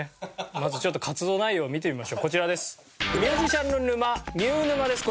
まずちょっと活動内容見てみましょうこちらです。